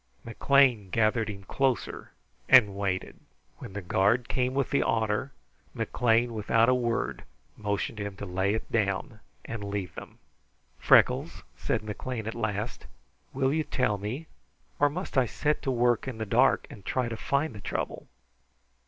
McLean gathered him closer and waited. When the guard came with the otter, McLean without a word motioned him to lay it down and leave them. "Freckles," said McLean at last, "will you tell me, or must I set to work in the dark and try to find the trouble?"